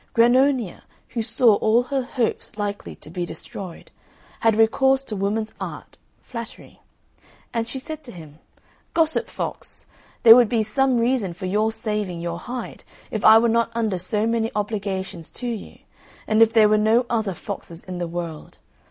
Grannonia, who saw all her hopes likely to be destroyed, had recourse to woman's art flattery; and she said to him, "Gossip fox, there would be some reason for your saving your hide if I were not under so many obligations to you, and if there were no other foxes in the world.